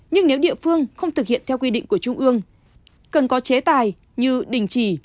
nhưng nếu địa phương không thực hiện theo quy định của trung ương cần có chế tài như đình chỉ